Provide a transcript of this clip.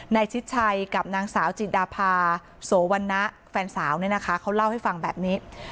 ชิดชัยกับนางสาวจิดาพาโสวันนะแฟนสาวเนี่ยนะคะเขาเล่าให้ฟังแบบนี้